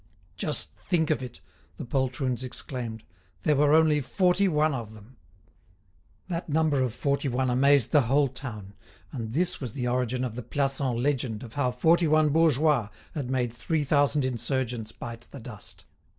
"Just think of it!" the poltroons exclaimed, "there were only forty one of them!" That number of forty one amazed the whole town, and this was the origin of the Plassans legend of how forty one bourgeois had made three thousand insurgents bite the dust.